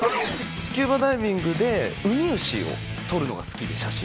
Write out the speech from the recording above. スキューバダイビングでウミウシを撮るのが好きで写真